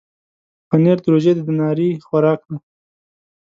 پنېر د روژې د ناري خوراک دی.